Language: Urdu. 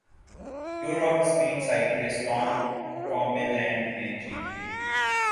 tour of Spain cycle race Tom Dumoulin نے جیت لی